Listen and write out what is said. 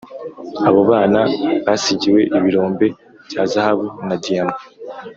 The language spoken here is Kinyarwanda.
abo bana basigiwe ibirombe bya zahabu na diama